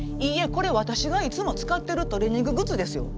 これ私がいつも使ってるトレーニンググッズですよ！